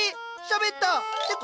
しゃべった！って